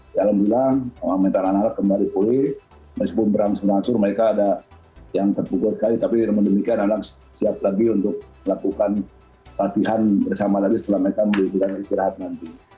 dan yang terdekat adalah kembali pulih meskipun berang semuanya mereka ada yang terpukul sekali tapi menurut saya anak anak siap lagi untuk melakukan latihan bersama lagi setelah mereka beristirahat nanti